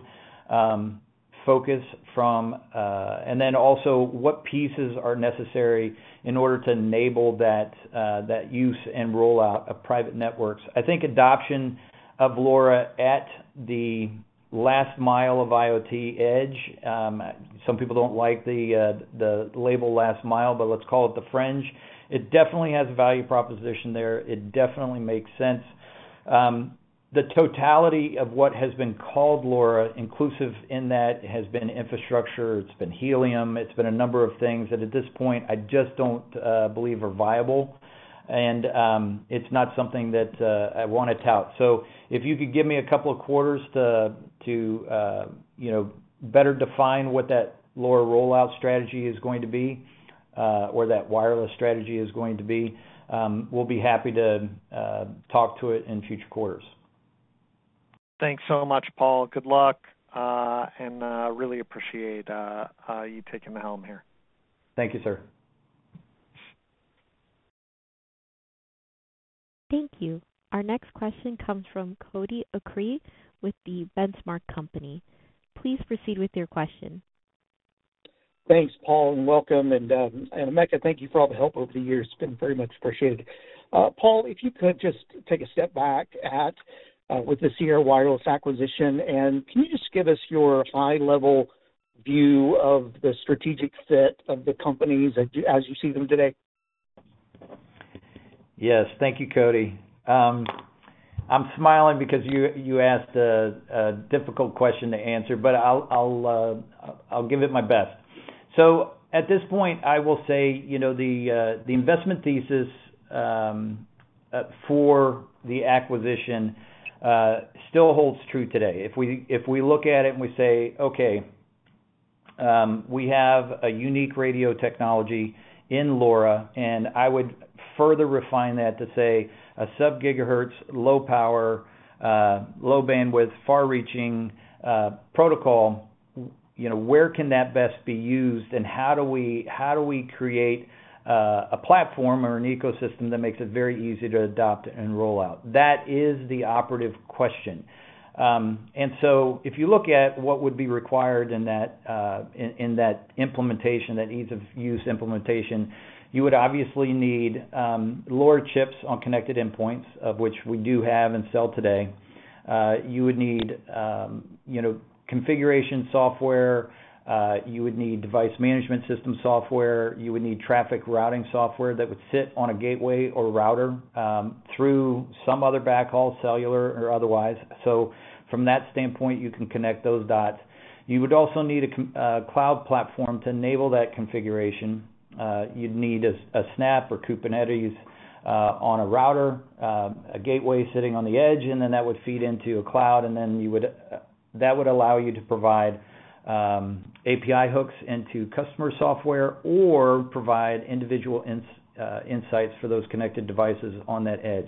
focus from. And then also what pieces are necessary in order to enable that, that use and rollout of private networks. I think adoption of LoRa at the last mile of IoT edge, some people don't like the label last mile, but let's call it the fringe. It definitely has value proposition there. It definitely makes sense. The totality of what has been called LoRa, inclusive in that, has been infrastructure, it's been Helium, it's been a number of things that at this point, I just don't believe are viable, and it's not something that I wanna tout. So if you could give me a couple of quarters to you know, better define what that LoRa rollout strategy is going to be, or that wireless strategy is going to be, we'll be happy to talk to it in future quarters. Thanks so much, Paul. Good luck, and really appreciate you taking the helm here. Thank you, sir. Thank you. Our next question comes from Cody Acree, with the Benchmark Company. Please proceed with your question. Thanks, Paul, and welcome, and Emeka, thank you for all the help over the years. It's been very much appreciated. Paul, if you could just take a step back at, with the Sierra Wireless acquisition, and can you just give us your high-level view of the strategic fit of the companies as you, as you see them today? Yes. Thank you, Cody. I'm smiling because you asked a difficult question to answer, but I'll give it my best. So at this point, I will say, you know, the investment thesis for the acquisition still holds true today. If we look at it and we say, "Okay, we have a unique radio technology in LoRa," and I would further refine that to say, a sub-gigahertz, low power, low bandwidth, far-reaching protocol. You know, where can that best be used? And how do we create a platform or an ecosystem that makes it very easy to adopt and roll out? That is the operative question. And so if you look at what would be required in that implementation, that ease-of-use implementation, you would obviously need LoRa chips on connected endpoints, of which we do have and sell today. You would need, you know, configuration software, you would need device management system software, you would need traffic routing software that would sit on a gateway or router, through some other backhaul, cellular or otherwise. So from that standpoint, you can connect those dots. You would also need a cloud platform to enable that configuration. You'd need a Snap or Kubernetes on a router, a gateway sitting on the edge, and then that would feed into a cloud, and then you would... That would allow you to provide API hooks into customer software or provide individual insights for those connected devices on that edge.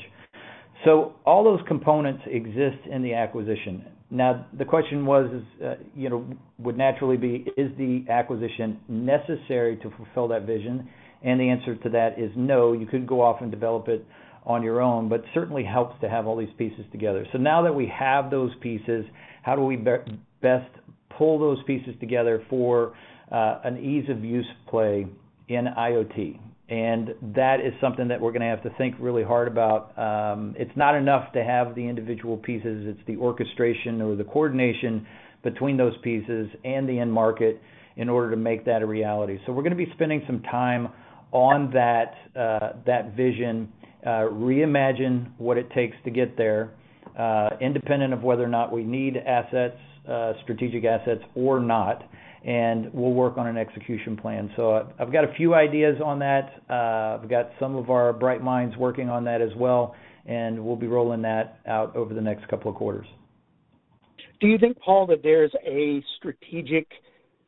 So all those components exist in the acquisition. Now, the question was, you know, would naturally be: Is the acquisition necessary to fulfill that vision? And the answer to that is no. You could go off and develop it on your own, but certainly helps to have all these pieces together. So now that we have those pieces, how do we best pull those pieces together for an ease-of-use play in IoT? And that is something that we're gonna have to think really hard about. It's not enough to have the individual pieces, it's the orchestration or the coordination between those pieces and the end market in order to make that a reality. So we're gonna be spending some time on that, that vision, reimagine what it takes to get there, independent of whether or not we need assets, strategic assets or not, and we'll work on an execution plan. So I've got a few ideas on that. I've got some of our bright minds working on that as well, and we'll be rolling that out over the next couple of quarters. Do you think, Paul, that there's a strategic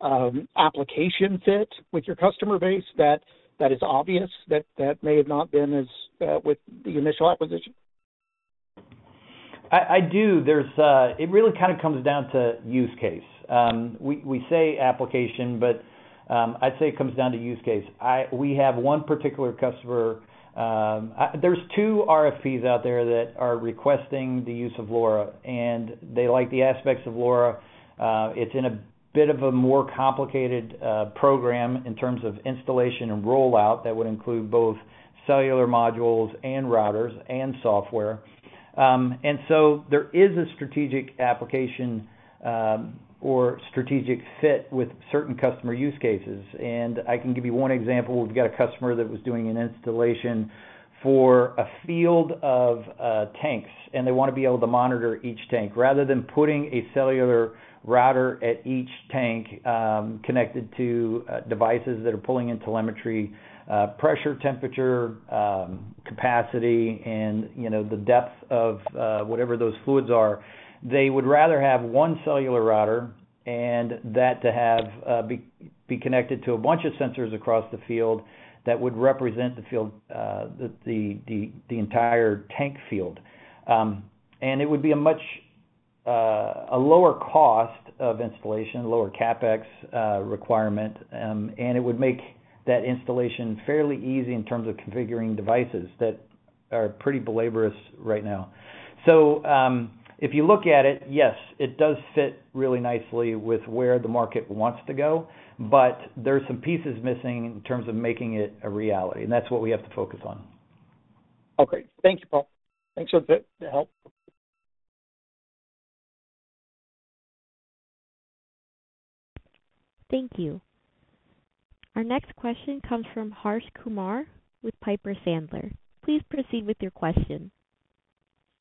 application fit with your customer base, that is obvious, that may have not been as with the initial acquisition?... I do. There's it really kind of comes down to use case. We say application, but, I'd say it comes down to use case. We have one particular customer. There's two RFPs out there that are requesting the use of LoRa, and they like the aspects of LoRa. It's in a bit of a more complicated program in terms of installation and rollout that would include both cellular modules and routers and software. And so there is a strategic application, or strategic fit with certain customer use cases. And I can give you one example. We've got a customer that was doing an installation for a field of tanks, and they wanna be able to monitor each tank. Rather than putting a cellular router at each tank, connected to devices that are pulling in telemetry, pressure, temperature, capacity, and, you know, the depth of whatever those fluids are, they would rather have one cellular router, and that to be connected to a bunch of sensors across the field that would represent the field, the entire tank field. And it would be a much lower cost of installation, lower CapEx requirement, and it would make that installation fairly easy in terms of configuring devices that are pretty laborious right now. So, if you look at it, yes, it does fit really nicely with where the market wants to go, but there are some pieces missing in terms of making it a reality, and that's what we have to focus on. Okay. Thanks, Paul. Thanks for the help. Thank you. Our next question comes from Harsh Kumar with Piper Sandler. Please proceed with your question.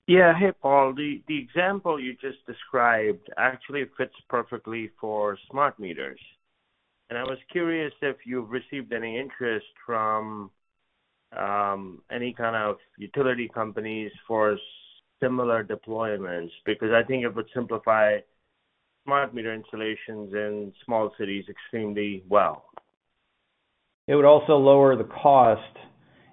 Yeah. Hey, Paul. The example you just described actually fits perfectly for smart meters, and I was curious if you've received any interest from any kind of utility companies for similar deployments? Because I think it would simplify smart meter installations in small cities extremely well. It would also lower the cost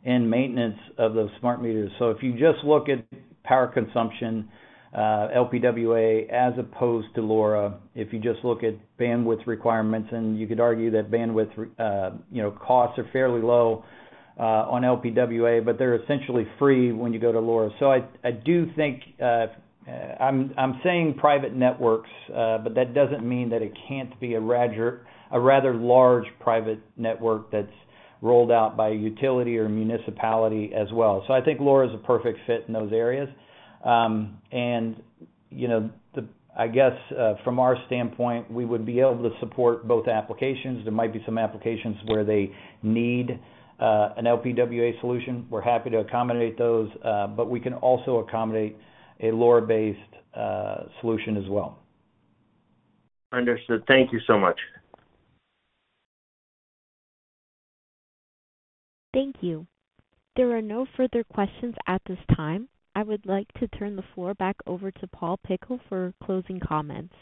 and maintenance of those smart meters. So if you just look at power consumption, LPWA, as opposed to LoRa, if you just look at bandwidth requirements, and you could argue that bandwidth, you know, costs are fairly low on LPWA, but they're essentially free when you go to LoRa. So I do think, I'm saying private networks, but that doesn't mean that it can't be a rather large private network that's rolled out by a utility or municipality as well. So I think LoRa is a perfect fit in those areas. And, you know, I guess from our standpoint, we would be able to support both applications. There might be some applications where they need an LPWA solution. We're happy to accommodate those, but we can also accommodate a LoRa-based solution as well. Understood. Thank you so much. Thank you. There are no further questions at this time. I would like to turn the floor back over to Paul Pickle for closing comments.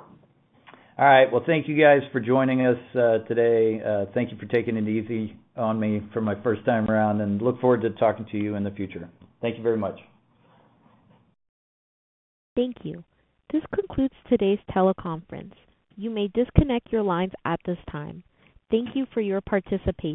All right. Well, thank you guys for joining us, today. Thank you for taking it easy on me for my first time around, and look forward to talking to you in the future. Thank you very much. Thank you. This concludes today's teleconference. You may disconnect your lines at this time. Thank you for your participation.